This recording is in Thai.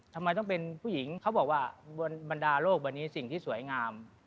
ทำไมต้องเป็นผู้หญิงเขาบอกว่าบรรดาโลกวันนี้สิ่งที่สวยงาม